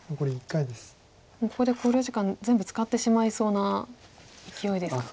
もうここで考慮時間全部使ってしまいそうな勢いですが。